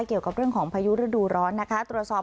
เกี่ยวกับเรื่องของพายุฤดูร้อนนะคะตรวจสอบ